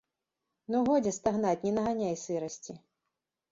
Ну, годзе стагнаць, не наганяй сырасці.